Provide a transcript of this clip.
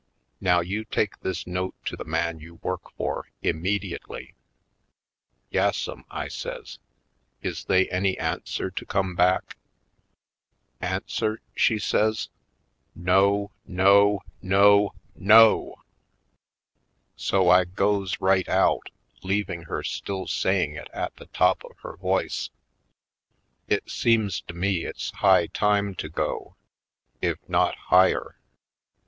Now you take this note to the man you work for, immediately!" "Yassum," I says; "is they any answer to come back?" "Answer?" she says, "No — no — no — NO!" So I goes right out, leaving her still say ing it at the top of her voice. It seems to Sable Plots 223 me it's high time to go, if not higher.